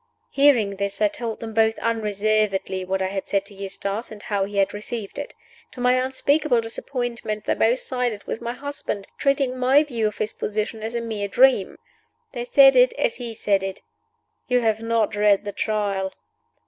Hearing this, I told them both unreservedly what I had said to Eustace, and how he had received it. To my unspeakable disappointment, they both sided with my husband, treating my view of his position as a mere dream. They said it, as he had said it, "You have not read the Trial."